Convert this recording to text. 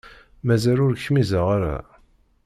Mazal ur kmizeɣ ara.